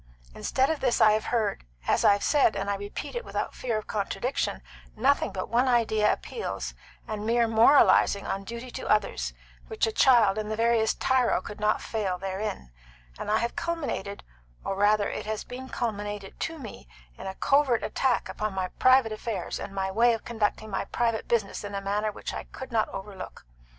Instead of this I have heard, as I have said and I repeat it without fear of contradiction nothing but one idea appeals and mere moralisings upon duty to others, which a child and the veriest tyro could not fail therein; and I have culminated or rather it has been culminated to me in a covert attack upon my private affairs and my way of conducting my private business in a manner which I could not overlook.